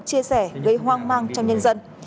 chia sẻ gây hoang mang trong nhân dân